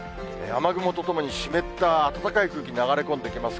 雨雲とともに、湿った暖かい空気、流れ込んできます。